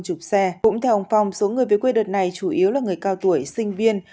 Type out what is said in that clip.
chục xe cũng theo ông phong số người về quê đợt này chủ yếu là người cao tuổi sinh viên